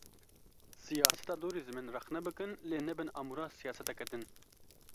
Siyaseta li dûrî zimên rexne bikin lê nebin amûra siyaseteke din.